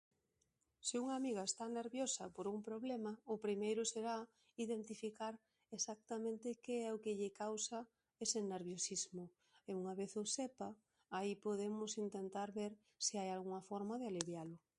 Se unha amiga está nerviosa por un problema o primero será identificar, exactamente, que é o que lle causa ese nerviosismo e unha vez o sepa aí podemos intentar ver se hai algunha forma de alivialo.